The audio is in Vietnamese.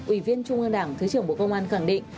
ủy viên trung ương đảng thứ trưởng bộ công an khẳng định